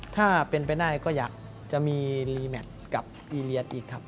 ถ้าเป็นไปได้ก็อยากจะมีรีแมทกับอีเรียนอีกครับ